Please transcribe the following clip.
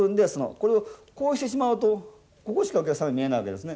これをこうしてしまうとここしかお客さん見えないわけですね。